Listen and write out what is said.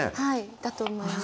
だと思います